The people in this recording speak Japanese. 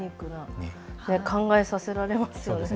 考えさせられますよね。